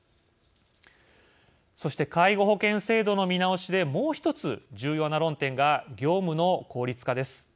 そして介護保険制度の見直しでもう一つ重要な論点が業務の効率化です。